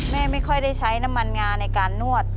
ไม่ค่อยได้ใช้น้ำมันงาในการนวด